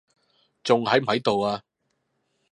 仲喺唔喺度啊？